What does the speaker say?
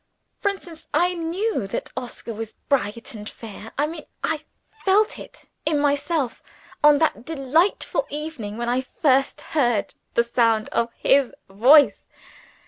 "For instance, I knew that Oscar was bright and fair I mean I felt it in myself on that delightful evening when I first heard the sound of his voice.